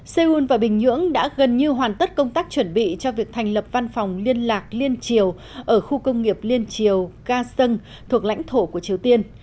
seoul và bình nhưỡng đã gần như hoàn tất công tác chuẩn bị cho việc thành lập văn phòng liên lạc liên triều ở khu công nghiệp liên triều gason thuộc lãnh thổ của triều tiên